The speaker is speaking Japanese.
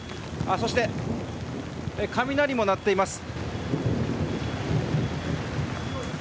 そして、雷も鳴っています。